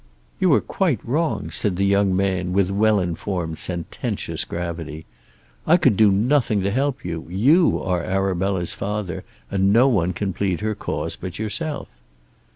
"You are quite wrong," said the young man with well informed sententious gravity. "I could do nothing to help you. You are Arabella's father and no one can plead her cause but yourself."